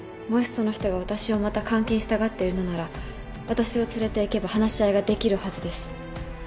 もしその人が私をまた監禁したがってるのなら私を連れていけば話し合いができるはずです。